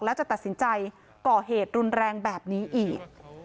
แล้วจะตัดสินใจก่อเหตุรุนแรงแบบนี้อีก